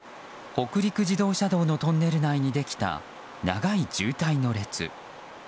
北陸自動車道のトンネル内にできた長い渋滞の列。